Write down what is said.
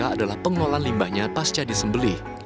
adalah pengolahan limbahnya pasca di sembeli